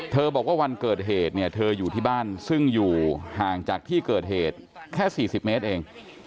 บอกว่าวันเกิดเหตุเนี่ยเธออยู่ที่บ้านซึ่งอยู่ห่างจากที่เกิดเหตุแค่๔๐เมตรเอง